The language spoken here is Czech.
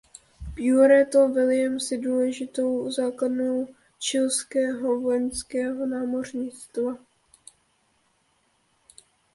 Puerto Williams je důležitou základnou chilského vojenského námořnictva.